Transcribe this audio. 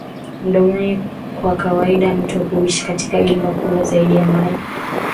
Mdomoni kwa kawaida mto huishia katika gimba kubwa zaidi ya maji